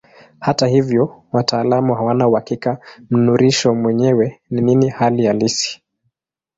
Hata hivyo wataalamu hawana uhakika mnururisho mwenyewe ni nini hali halisi.